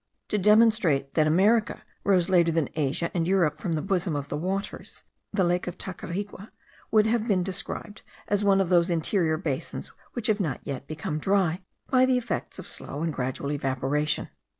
To demonstrate that America rose later than Asia and Europe from the bosom of the waters, the lake of Tacarigua would have been described as one of those interior basins which have not yet become dry by the effects of slow and gradual evaporation.